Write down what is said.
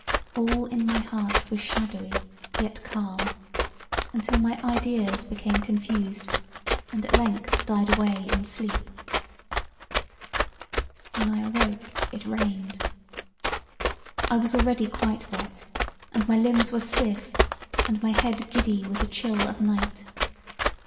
All in my heart was shadowy yet calm, untill my ideas became confused and at length died away in sleep. When I awoke it rained: I was already quite wet, and my limbs were stiff and my head giddy with the chill of night.